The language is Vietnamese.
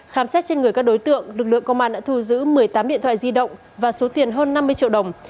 khám xét trên người các đối tượng lực lượng công an đã thu giữ một mươi tám điện thoại di động và số tiền hơn năm mươi triệu đồng